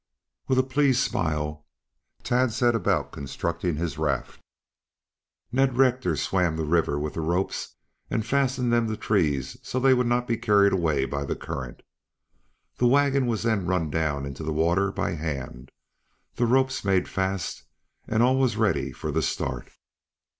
With a pleased smile, Tad set about constructing his raft. Ned Rector swam the river with the ropes, and fastened them to trees so they would not be carried away by the current. The wagon was then run down into the water by hand, the ropes made fast, and all was ready for the start.